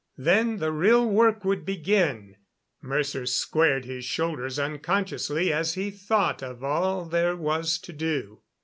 Then the real work would begin. Mercer squared his shoulders unconsciously as he thought of all there was to do.